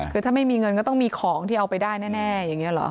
คือถ้าไม่มีเงินก็ต้องมีของที่เอาไปได้แน่อย่างนี้เหรอ